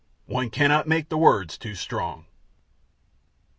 One cannot make the words too strong.